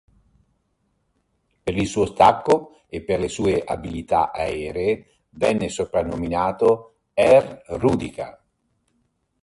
Per il suo stacco e per le sue abilità aeree venne soprannominato "Air Rudika".